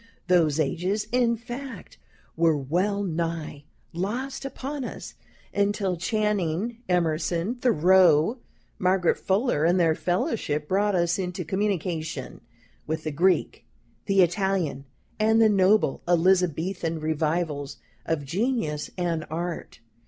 Those ages, in fact, were well nigh lost upon us, until Channing, Emerson, Thoreau, Margaret Fuller, and their fellowship, brought us into communication with the Greek, the Italian, and the noble Elizabethan revivals of genius and art.